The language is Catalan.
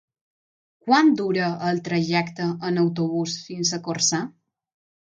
Quant dura el trajecte en autobús fins a Corçà?